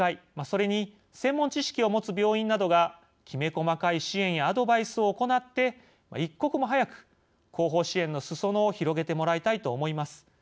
それに専門知識を持つ病院などがきめ細かい支援やアドバイスを行って一刻も早く後方支援のすそ野を広げてもらいたいと思います。